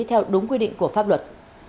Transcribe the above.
theo đúng quy định của pháp luật